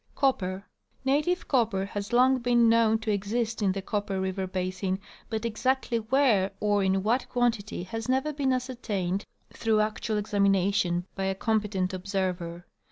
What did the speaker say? Copper. — Native copper has long been known to exist in the Cojjper River basin, but exactly where or in what quantity has never been ascertained through actual examination by a com petent observer.